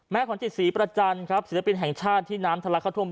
แม่ขวัญจิตศรีประจันครับศิลปินแห่งชาติที่น้ำทะลักเข้าท่วมบ้านไปแล้วครับ